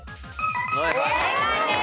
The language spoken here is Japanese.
正解です。